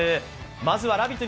まずは「ラヴィット！」